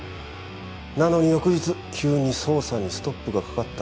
なのに翌日急に捜査にストップがかかった。